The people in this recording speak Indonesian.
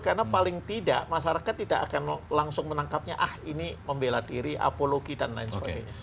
karena paling tidak masyarakat tidak akan langsung menangkapnya ah ini membela diri apologi dan lain sebagainya